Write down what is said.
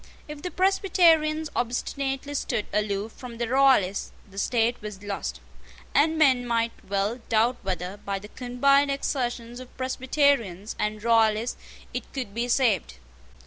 If the Presbyterians obstinately stood aloof from the Royalists, the state was lost; and men might well doubt whether, by the combined exertions of Presbyterians and Royalists, it could be saved.